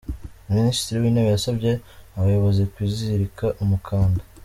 Minisitiri w’Intebe yasabye abayobozi kwizirika umukanda